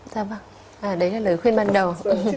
dạ vâng đấy là lời khuyên ban đầu